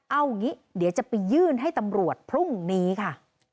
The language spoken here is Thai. เอาอย่างนี้เดี๋ยวจะไปยื่นให้ตำรวจพรุ่งนี้ค่ะ